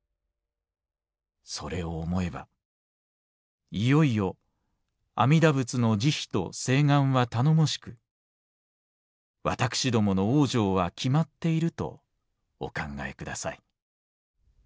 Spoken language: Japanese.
それを思えばいよいよ阿弥陀仏の慈悲と誓願は頼もしく私どもの往生は決まっているとお考え下さい」。